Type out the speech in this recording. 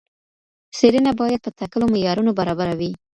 څېړنه باید په ټاکلو معیارونو برابره وي.